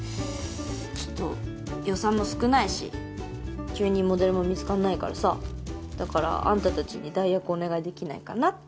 ちょっと予算も少ないし急にモデルも見つからないからさだからあんたたちに代役お願いできないかなっていう。